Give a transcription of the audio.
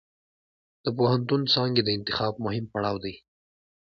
د پوهنتون څانګې د انتخاب مهم پړاو دی.